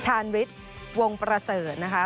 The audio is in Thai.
ชาญวิทย์วงศ์วงศ์ประเสริมนะคะ